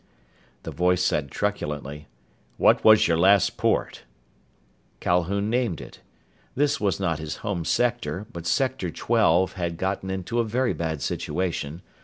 The voice said truculently: "What was your last port?" Calhoun named it. This was not his home sector, but Sector Twelve had gotten into a very bad situation.